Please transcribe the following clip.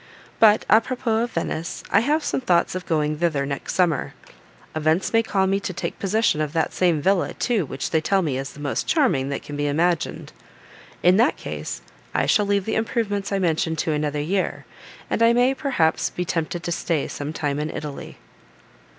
But à propos of Venice, I have some thoughts of going thither, next summer; events may call me to take possession of that same villa, too, which they tell me is the most charming that can be imagined. In that case I shall leave the improvements I mention to another year, and I may, perhaps, be tempted to stay some time in Italy."